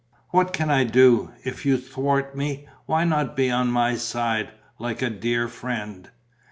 "What can I do, if you thwart me? Why not be on my side, like a dear friend?"